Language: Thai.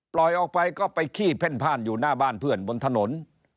ออกไปก็ไปขี้เพ่นพ่านอยู่หน้าบ้านเพื่อนบนถนน